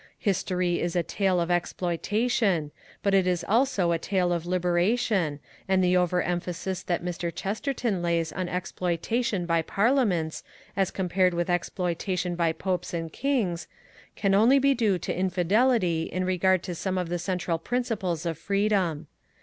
History is a tale of exploitation, but it is also a tale of liberation, and the over emphasis that Mr. Chesterton lays on exploitation by Parliaments as compared with exploitation by Popes and Kings, can only be due to infidelity in regard to some of the central principles of freedom.